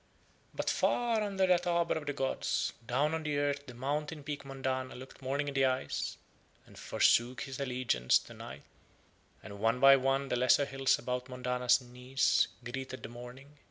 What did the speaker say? But far under that arbour of the gods down on the earth the mountain peak Mondana looked Morning in the eyes and forsook his allegiance to Night, and one by one the lesser hills about Mondana's knees greeted the Morning.